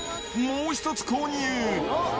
もう１つ購入。